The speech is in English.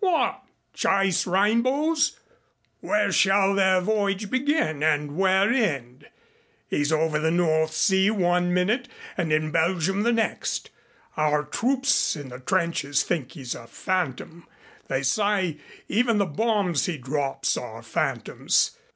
"What? Chase rainbows? Where shall their voyage begin and where end? He's over the North Sea one minute and in Belgium the next. Our troops in the trenches think he's a phantom. They say even the bombs he drops are phantoms.